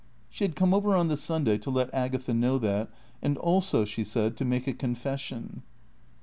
She had come over on the Sunday to let Agatha know that; and also, she said, to make a confession.